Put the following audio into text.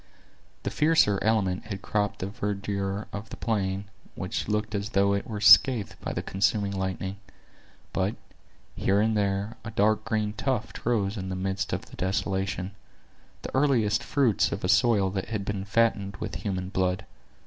The fiercer element had cropped the verdure of the plain, which looked as though it were scathed by the consuming lightning. But, here and there, a dark green tuft rose in the midst of the desolation; the earliest fruits of a soil that had been fattened with human blood.